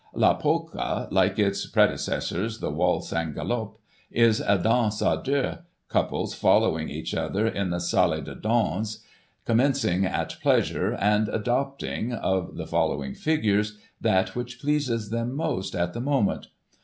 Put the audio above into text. La Polka, like its predecessors, the waltz and galop, is a danse h deux, couples following each other in the salle de danse, commencing at pleasure, and adopting, of the following figures, that which pleases them most at the moment.